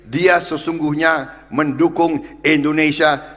dia sesungguhnya mendukung indonesia